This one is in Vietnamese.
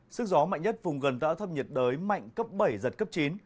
sức gió mạnh nhất vùng gần tạ át thấp nhiệt đới mạnh cấp bảy giật cấp chín